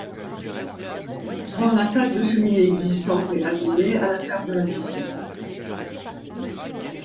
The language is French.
Voir la taque de cheminée existante mais abîmée à la ferme de la piscine.